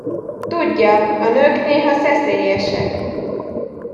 Tudja, a nők néha szeszélyesek.